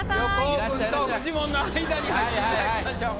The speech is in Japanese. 横尾君とフジモンの間に入っていただきましょう。